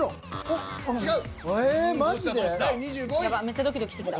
めっちゃドキドキしてきた。